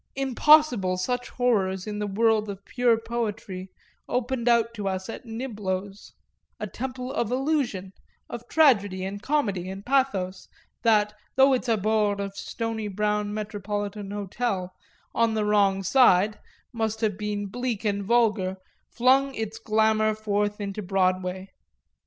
Impossible such horrors in the world of pure poetry opened out to us at Niblo's, a temple of illusion, of tragedy and comedy and pathos that, though its abords of stony brown Metropolitan Hotel, on the "wrong side," must have been bleak and vulgar, flung its glamour forth into Broadway.